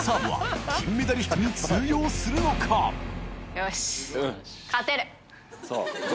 よし。